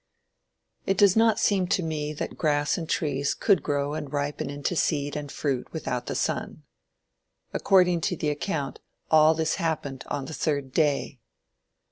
It does not seem to me that grass and trees could grow and ripen into seed and fruit without the sun. According to the account, this all happened on the third day.